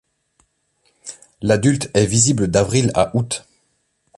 L'adulte est visible d'avril à août.